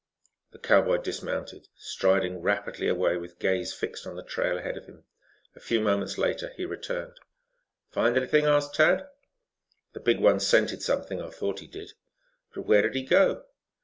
The cowboy dismounted, striding rapidly away with gaze fixed on the trail ahead of him. A few moments later he returned. "Find anything?" asked Tad. "The big one scented something, or thought he did." "But where did he go?"